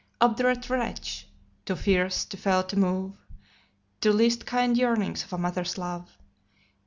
Obdurate wretch! too fierce, too fell to move The least kind yearnings of a mother's love!